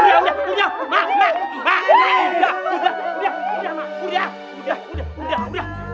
aduh mak kalau dungu aduuh